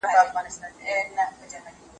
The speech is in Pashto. کېدای سي مېوې خرابې وي!